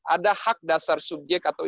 ada hak dasar subyek atau